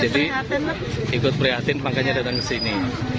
jadi ikut prihatin makanya datang ke sini